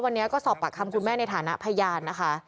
วันนี้ก็สอบปากคำคุณแม่ในฐานะพยานนะคะ